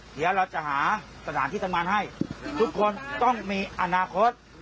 เดี๋ยวเราจะหาสถานที่ทำงานให้ทุกคนต้องมีอนาคต